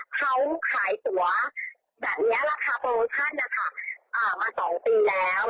เขาขายตัวแบบนี้ราคาโปรโมชั่นนะคะมา๒ปีแล้ว